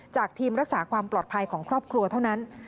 ทีมรักษาความปลอดภัยของครอบครัวเท่านั้น